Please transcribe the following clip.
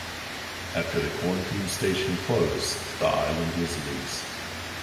After the quarantine station closed the island was leased.